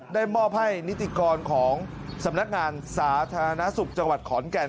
ได้มอบให้นิติกรของสำนักงานสาธารณสุขจังหวัดขอนแก่น